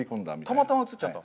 たまたま映っちゃった。